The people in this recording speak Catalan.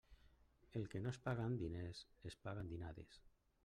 El que no es paga amb diners es paga amb dinades.